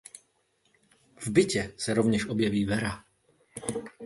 V bytě se rovněž objeví Vera.